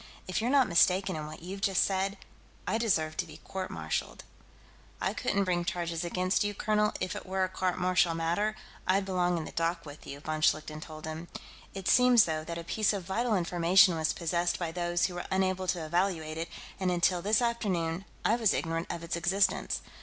If you're not mistaken in what you've just said, I deserve to be court martialed." "I couldn't bring charges against you, colonel; if it were a court martial matter, I'd belong in the dock with you," von Schlichten told him. "It seems, though, that a piece of vital information was possessed by those who were unable to evaluate it, and until this afternoon, I was ignorant of its existence.